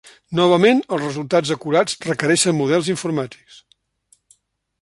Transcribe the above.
Novament, els resultats acurats requereixen models informàtics.